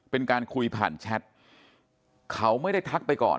เป็นการคุยผ่านแชทเขาไม่ได้ทักไปก่อน